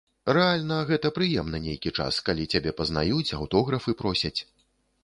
Рэальна гэты прыемна нейкі час, калі цябе пазнаюць, аўтографы просяць.